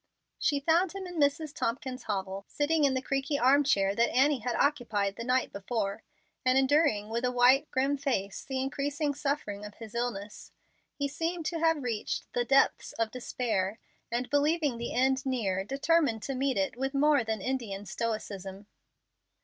She found him in Mrs. Tompkins's hovel, sitting in the creaky arm chair that Annie had occupied the night before, and enduring with a white, grim face the increasing suffering of his illness. He seemed to have reached the depths of despair, and, believing the end near, determined to meet it with more than Indian stoicism.